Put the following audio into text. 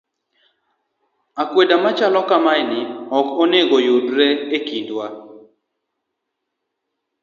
Akwede machalo kamani ok onego yudre e kindwa